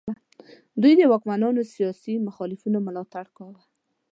دوی د واکمنانو سیاسي مخالفینو ملاتړ کاوه.